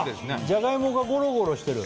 ジャガイモがゴロゴロしてる？